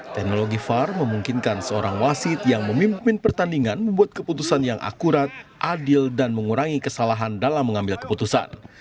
teknologi var memungkinkan seorang wasit yang memimpin pertandingan membuat keputusan yang akurat adil dan mengurangi kesalahan dalam mengambil keputusan